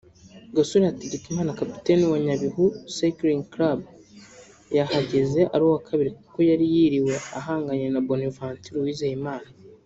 Gasore Hategeka Kapiteni wa Nyabihu Cycling Club yahageze ari uwa kabiri kuko yari yiriwe ahanganye na Bonaventure Uwizeyimana